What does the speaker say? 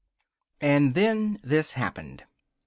And then this happened!